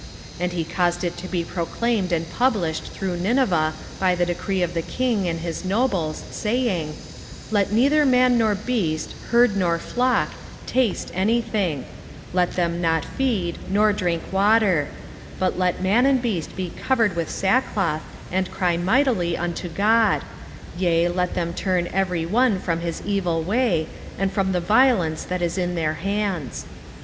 3:7 And he caused it to be proclaimed and published through Nineveh by the decree of the king and his nobles, saying, Let neither man nor beast, herd nor flock, taste any thing: let them not feed, nor drink water: 3:8 But let man and beast be covered with sackcloth, and cry mightily unto God: yea, let them turn every one from his evil way, and from the violence that is in their hands.